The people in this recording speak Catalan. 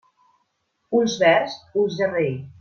Ulls verds, ulls de rei.